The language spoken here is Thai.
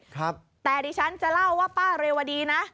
ครับแต่ดิฉันจะเล่าว่าป้าเรวดีนะ